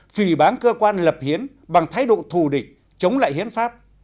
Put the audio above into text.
phì bán cơ quan lập hiến bằng thái độ thù địch chống lại hiến pháp